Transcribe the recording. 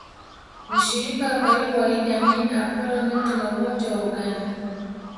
Mshirika wa karibu wa Idi Amin Apolo Milton Obote wa Uganda